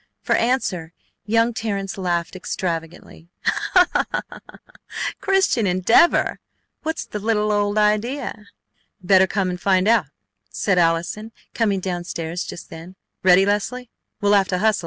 For answer young Terrence laughed extravagantly: "Christian Endeavor! What's the little old idea?" "Better come and find out," said Allison, coming down stairs just then. "Ready, Leslie? We'll have to hustle.